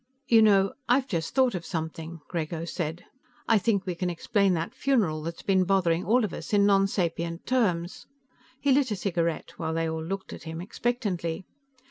"You know, I've just thought of something," Grego said. "I think we can explain that funeral that's been bothering all of us in nonsapient terms." He lit a cigarette, while they all looked at him expectantly.